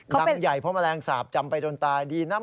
รังใหญ่เพราะแมลงสาปจำไปโดนตายดีนะ